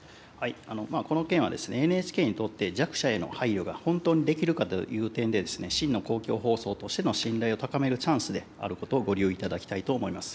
この件は、ＮＨＫにとって、弱者への配慮が本当にできるかという点で、真の公共放送としての信頼を高めるチャンスであることをご留意いただきたいと思います。